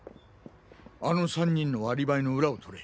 あの３人のアリバイの裏を取れ。